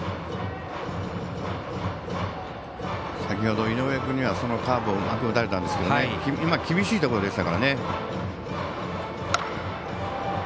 先ほど井上君にはそのカーブをうまく打たれたんですけど今、厳しいところでしたからね。